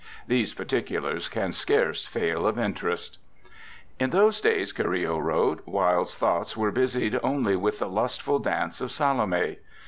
these particulars can scarce fail of interest: In those days, Carillo wrote, Wilde's thoughts were busied only with the lustful dance of Salome.